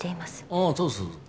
ああそうそう。